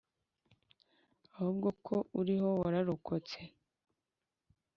ahubwo ko uriho wararokotse.